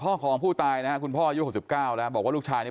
ของผู้ตายนะฮะคุณพ่ออายุ๖๙แล้วบอกว่าลูกชายเนี่ย